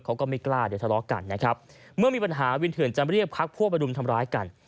ก็ไม่กล้าเดี๋ยวทะเลาะกันนะครับเมื่อมีปัญหาวินเถื่อนจะเรียกพักพวกมารุมทำร้ายกัน